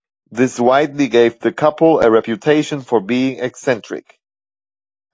This widely gave the couple a reputation for being eccentric.